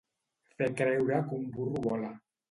Fer creure que un burro vola.